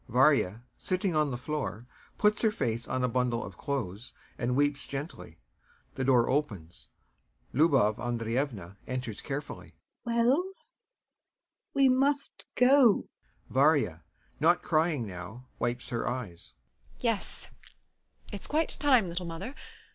] [VARYA, sitting on the floor, puts her face on a bundle of clothes and weeps gently. The door opens. LUBOV ANDREYEVNA enters carefully.] LUBOV. Well? We must go. VARYA. [Not crying now, wipes her eyes] Yes, it's quite time, little mother.